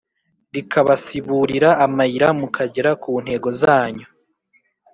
Rikabasiburira amayira mukagera kuntego zanyu